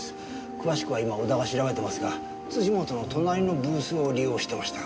詳しくは今織田が調べてますが本の隣のブースを利用してました。